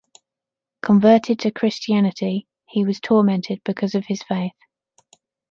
Converted to Christianity, he was tormented because of his faith.